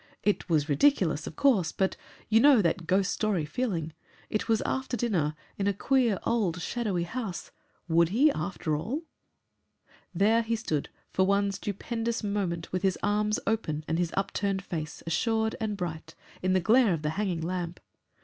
It was ridiculous, of course, but you know that ghost story feeling. It was after dinner, in a queer, old shadowy house. Would he, after all ? There he stood for one stupendous moment, with his arms open and his upturned face, assured and bright, in the glare of the hanging lamp.